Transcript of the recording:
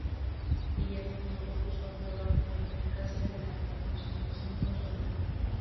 Guillermo pronto puso a prueba la eficacia de la reconciliación con su hermano.